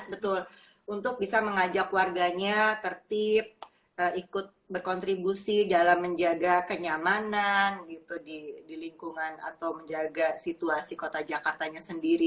betul untuk bisa mengajak warganya tertib ikut berkontribusi dalam menjaga kenyamanan di lingkungan atau menjaga situasi kota jakartanya sendiri